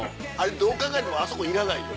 どう考えてもあそこいらない。